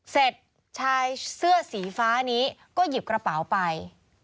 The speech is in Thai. เสร็จชายเสื้อสีฟ้านี้ก็หยิบกระเป๋าไป